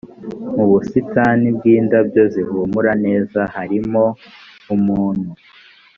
mu busitani bw indabyo zihumura neza harimoumuntu